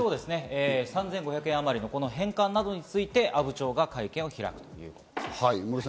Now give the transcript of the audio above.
３５００万円あまりの返還などについて阿武町が会見を開くということです。